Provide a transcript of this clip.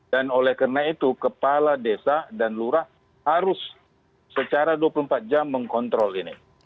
dan oleh karena itu kepala desa dan lurah harus secara dua puluh empat jam mengkontrol ini